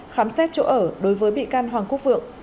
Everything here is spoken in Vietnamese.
khám xét chỗ ở đối với bị can hoàng quốc vượng